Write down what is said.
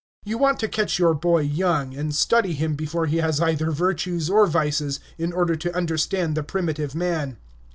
You want to catch your boy young, and study him before he has either virtues or vices, in order to understand the primitive man.